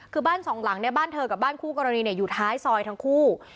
คือบ้านสองหลังเนี่ยบ้านเธอกับบ้านคู่กรณีอยู่ท้ายซอยทั้งคู่